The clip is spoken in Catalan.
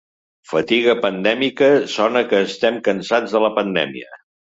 Fatiga pandèmica sona que estem cansats de la pandèmia.